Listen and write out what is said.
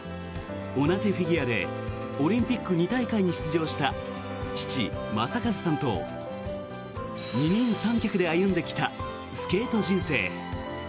同じフィギュアでオリンピック２大会に出場した父・正和さんと二人三脚で歩んできたスケート人生。